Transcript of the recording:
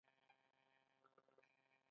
ایا زه باید کنسرت ته لاړ شم؟